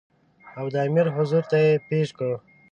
او د امیر حضور ته یې پېش کړ.